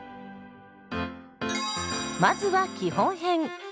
まずは基本編。